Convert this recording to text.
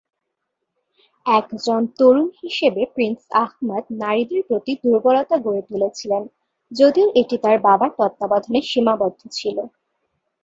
একজন তরুণ হিসেবে প্রিন্স আহমাদ নারীদের প্রতি দুর্বলতা গড়ে তুলেছিলেন, যদিও এটি তার বাবার তত্ত্বাবধানে সীমাবদ্ধ ছিল।